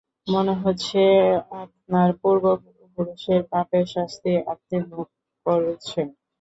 মনে হচ্ছে আপনার পূর্ব-পূরুষের পাপের শাস্তি আপনি ভোগ করছেন।